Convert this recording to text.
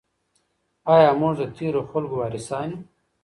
آیا موږ د تیرو خلګو وارثان یو؟